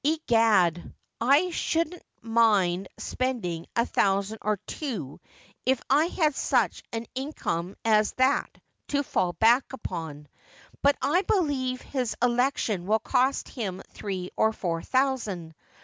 ' Egad,'l shouldn't nmid spending a thousand or two if I had such an income as that to fall back upon. But I believe his election will cost him thiee or four thousand.